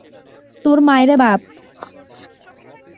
তোর মাইরে বাপ!